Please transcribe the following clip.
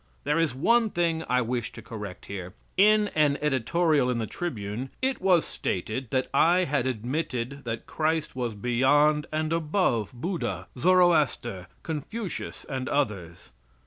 There is one thing I wish to correct here. In an editorial in the Tribune it was stated that I had admitted that Christ was beyond and above Buddha, Zoroaster, Confucius, and others.